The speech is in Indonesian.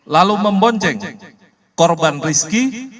lalu membonceng korban rizki